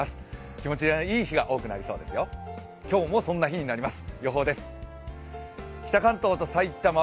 気持ちのいい日が多くなりそうですよ、今日もそんな日になります。